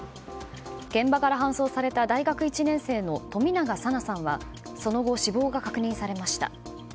現場から搬送された大学１年生の冨永紗菜さんはその後、死亡が確認されました。